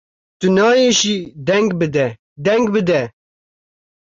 Tu nayê jî deng bide! deng bide!